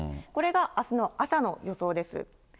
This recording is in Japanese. これがあすの朝の予想です。